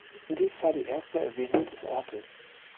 Dies war die erste Erwähnung des Ortes.